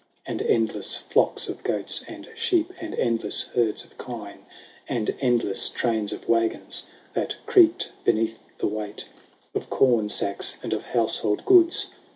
And endless flocks of goats and sheep. And endless herds of kine. And endless trains of waggons That creaked beneath the weight Of corn sacks and of household goods.